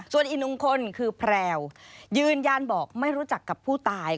ส่วนอีกหนึ่งคนคือแพรวยืนยันบอกไม่รู้จักกับผู้ตาย